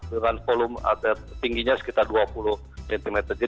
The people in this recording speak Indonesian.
dengan volume tingginya sekitar dua puluh cm